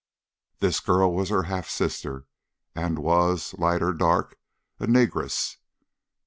This girl was her half sister, and was, light or dark, a negress.